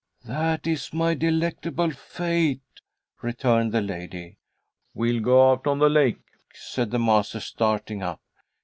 "That is my delectable fate," returned the lady. "We'll go out on the lake," said the master, starting up.